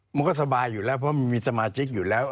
มันก็สบายอยู่แล้วเพราะมันมีสมาชิกอยู่แล้ว